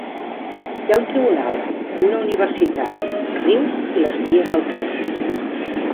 Hi ha un tribunal, i una universitat, un riu i les vies del tren.